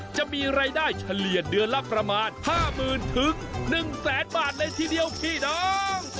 จะมีรายได้เฉลี่ยเดือนละประมาณห้าหมื่นถึงหนึ่งแสนบาทเลยทีเดียวพี่น้อง